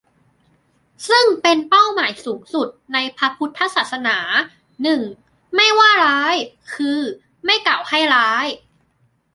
ซึ่งเป็นเป้าหมายสูงสุดในพระพุทธศาสนา หนึ่ง ไม่ว่าร้าย คือ ไม่กล่าวให้ร้าย